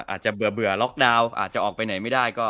อาจจะเบื่อล็อกดาวน์อาจจะออกไปไหนไม่ได้ก็